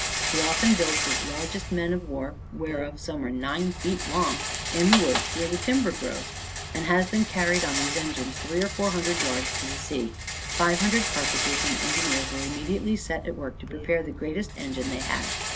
He often builds his largest men of war, whereof some are nine feet long, in the woods, where the timber grows, and has them carried on these engines three or four hundred yards to the sea. Five hundred carpenters and engineers were immediately set at work to prepare the greatest engine they had.